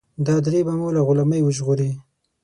دا درې به مو له غلامۍ وژغوري.